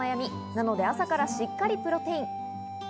なので朝からしっかりプロテイン。